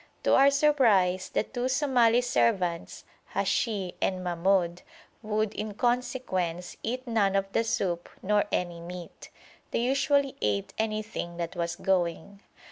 To our surprise the two Somali servants, Hashi and Mahmoud, would in consequence eat none of the soup nor any meat. They usually ate anything that was going.